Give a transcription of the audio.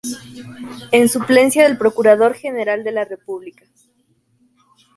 En suplencia del Procurador General de la República.